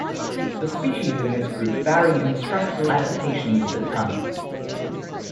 The species in this group vary in the structural adaptations of the tongue.